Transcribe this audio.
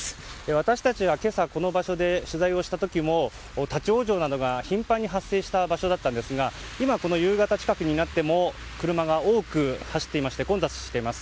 私たちが今朝この場所で取材をした時も立ち往生などが頻繁に発生した場所ですが今、この夕方近くになっても車が多く走っていまして混雑しています。